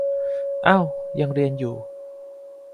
เอ้า ยังเรียนอยู่